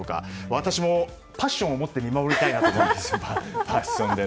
私もパッションを持って見守りたいなと思います。